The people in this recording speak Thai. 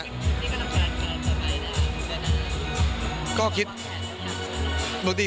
ทริปนี้ก็ต้องการเกิดไปไหนนะ